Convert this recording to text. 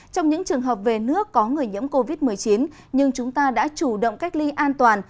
trong những trường hợp về nước có người nhiễm covid một mươi chín nhưng chúng ta đã chủ động cách ly an toàn